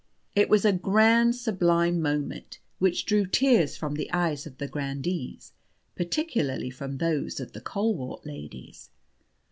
It was a grand, a sublime moment, which drew tears from the eyes of the grandees, particularly from those of the Colewort ladies.